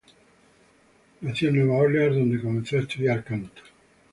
Nació en Nueva Orleans donde comenzó a estudiar canto.